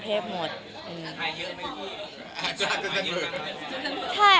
ถ่ายจากตอนนี้